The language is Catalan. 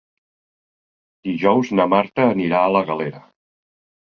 Dijous na Marta anirà a la Galera.